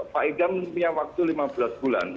pak idam punya waktu lima belas bulan